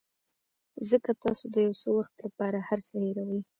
ځکه تاسو د یو څه وخت لپاره هر څه هیروئ.